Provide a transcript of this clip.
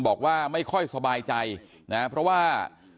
บอกว่าไม่ค่อยสบายใจนะเพราะว่า